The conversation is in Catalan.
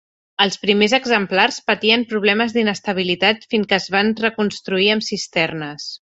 Els primers exemplars patien problemes d'inestabilitat fins que es van reconstruir amb cisternes.